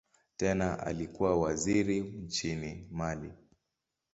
Tena alikuwa waziri nchini Mali.